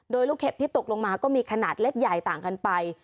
โดยลูกเห็บที่ตกลงมาก็มีขนาดเล็กใหญ่ต่างกันไป